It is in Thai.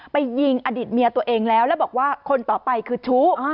ยิงอดีตเมียตัวเองแล้วแล้วบอกว่าคนต่อไปคือชู้